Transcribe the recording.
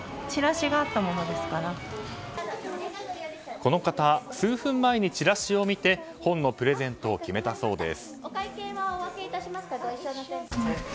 この方、数分前にチラシを見て本のプレゼントを決めたそうです。